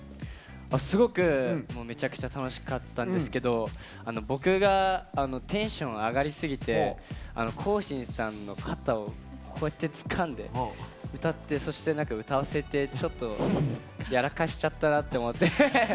すごくめちゃくちゃ楽しかったんですけど僕がテンション上がりすぎてＫＯ‐ＳＨＩＮさんの肩をがってつかんでそして、歌わせて、ちょっとやらかしちゃったなって思って。